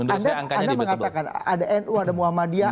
anda mengatakan ada nu ada muhammadiyah